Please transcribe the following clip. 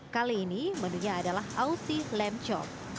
kali ini menunya adalah aussie lamb chop